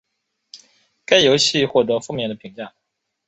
该游戏获得负面的评价。